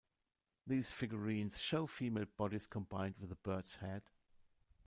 These figurines show female bodies combined with a bird's head.